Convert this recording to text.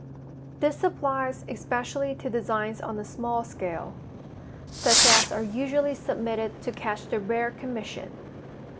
This applies especially to designs on a small scale, such as are usually submitted to catch the rare commission.